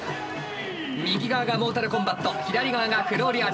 右側がモータルコンバット左側がフローリアーズ。